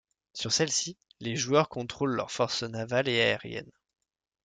Sur celle-ci, les joueurs contrôlent leurs forces navales et aériennes.